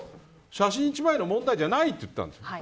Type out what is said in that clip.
写真１枚の問題じゃないと言ったんです。